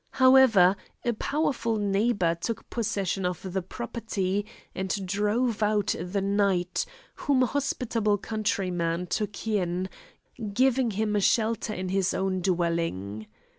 However a powerful neighbour took possession of the property, and drove out the knight, whom a hospitable countryman took in, giving him a shelter in his own dwelling.